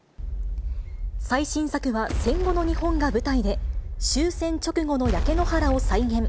最新作は戦後の日本が舞台で、終戦直後の焼け野原を再現。